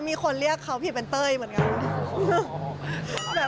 มีคนเรียกเขาผิดเป็นเต้ยเหมือนกัน